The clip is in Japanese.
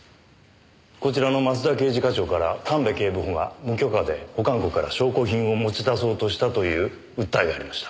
こちらの益田刑事課長から神戸警部補が無許可で保管庫から証拠品を持ち出そうとしたという訴えがありました。